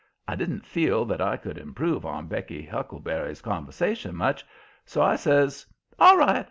I didn't feel that I could improve on Becky Huckleberries conversation much, so I says: "ALL right!